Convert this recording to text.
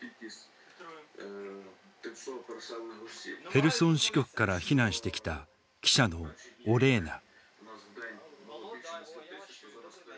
ヘルソン支局から避難してきた記者のオレーナ。